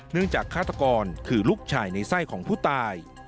จากฆาตกรคือลูกชายในไส้ของผู้ตาย